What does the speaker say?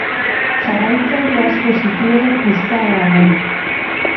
Jarraitzaile asko zituen Instagramen.